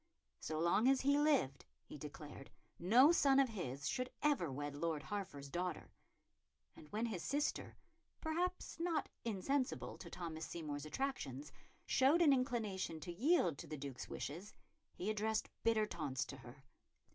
So long as he lived, he declared, no son of his should ever wed Lord Hertford's daughter; and when his sister perhaps not insensible to Thomas Seymour's attractions showed an inclination to yield to the Duke's wishes, he addressed bitter taunts to her.